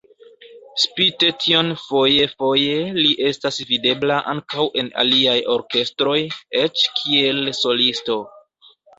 Spite tion foje-foje li estas videbla ankaŭ en aliaj orkestroj, eĉ kiel solisto.